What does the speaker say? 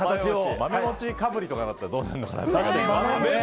豆もちかぶりとかになったらどうなるのかな。